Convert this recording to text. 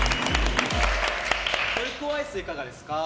トルコアイスいかがですか。